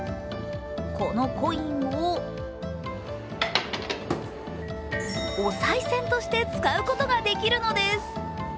このコインをおさい銭として使うことができるのです。